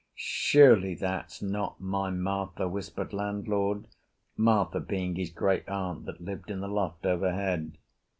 "Surely that's not my Martha," whispered landlord; Martha being his great aunt that lived in the loft overhead.